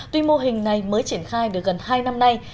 tuy mô hình này mới triển khai được gần hai năm nay